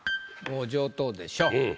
もう上等でしょう。